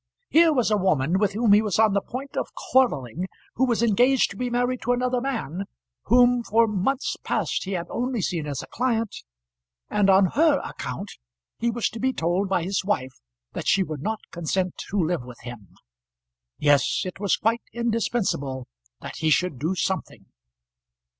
Here was a woman, with whom he was on the point of quarrelling, who was engaged to be married to another man, whom for months past he had only seen as a client; and on her account he was to be told by his wife that she would not consent to live with him! Yes; it was quite indispensable that he should do something.